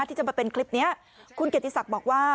ที่จะมาเป็นคลิปนี้คุณเกียรติศักดิ์บอกว่า